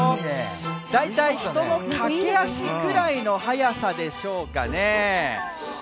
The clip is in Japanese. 大体、人の駆け足くらいの速さでしょうかね。